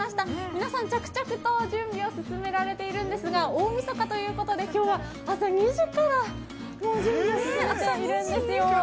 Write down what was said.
皆さん着々と準備を進められているんですが大みそかということで朝２時から準備を進めています。